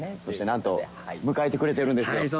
そしてなんと迎えてくれてるんですよ。